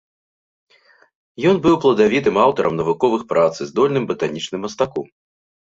Ён быў пладавітым аўтарам навуковых прац і здольным батанічным мастаком.